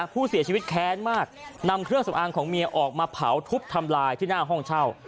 ผู้เสียชีวิตแค้นมากนำเครื่องสำอางของเมียออกมาเผาทุบทำลายที่หน้าห้องเช่า